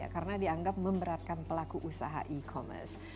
karena dianggap memberatkan pelaku usaha e commerce